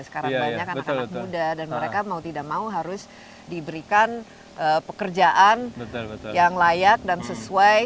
sekarang banyak anak anak muda dan mereka mau tidak mau harus diberikan pekerjaan yang layak dan sesuai